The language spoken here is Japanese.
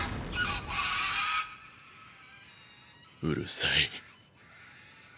うるさい